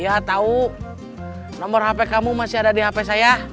ya tahu nomor hp kamu masih ada di hp saya